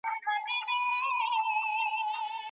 ولي لېواله انسان د با استعداده کس په پرتله ډېر مخکي ځي؟